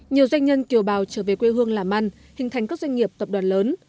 nhiều doanh nhân kiều bào trở về quê hương làm ăn hình thành các doanh nghiệp tập đoàn lớn